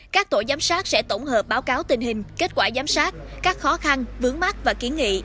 các tổ giám sát sẽ tổng hợp báo cáo tình hình kết quả giám sát các khó khăn vướng mắt và kiến nghị